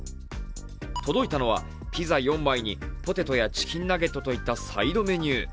届いたのはピザ４枚にポテトやチキンナゲットといったサイドメニュー。